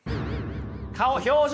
顔表情